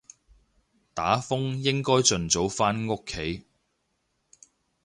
打風應該盡早返屋企